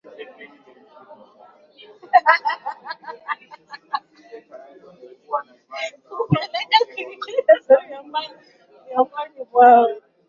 Hupelekea Kuigana tabia mbaya miongoni mwao